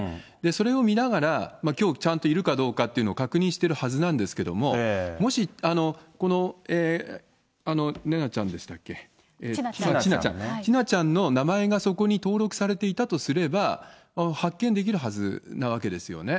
それを見ながら、きょうちゃんといるかどうかっていうのを確認してるはずなんですけども、もし、千奈ちゃんの名前がそこに登録されていたとすれば、発見できるはずなわけですよね。